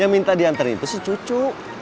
yang minta diantar itu sih cucu